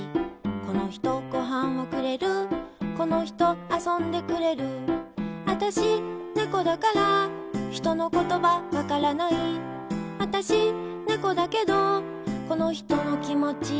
この人、ご飯をくれるこの人、遊んでくれるあたし、ねこだから人のことばわからないあたし、ねこだけどこの人のきもち